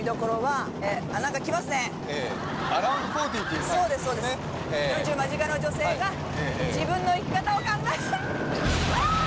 ４０間近の女性が自分の生き方を考えキャーッ！